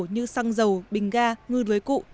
như xăng dầu bình ga ngư đuối cụ